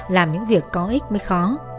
làm những việc có ích mới khó